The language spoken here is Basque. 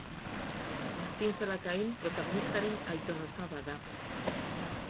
Martin Zalakain protagonistaren aiton-osaba da.